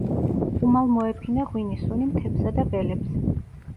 უმალ მოეფინა ღვინის სუნი მთებსა და ველებს.